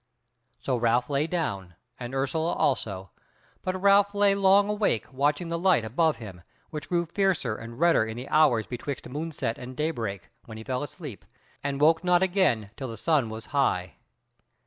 So Ralph lay down and Ursula also, but Ralph lay long awake watching the light above him, which grew fiercer and redder in the hours betwixt moonset and daybreak, when he fell asleep, and woke not again till the sun was high.